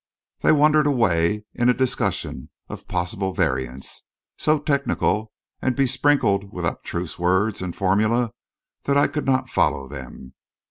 They wandered away into a discussion of possible variants, so technical and be sprinkled with abstruse words and formulae that I could not follow them.